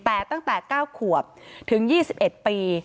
แต่ตั้งแต่๙ขวบถึง๒๑ปี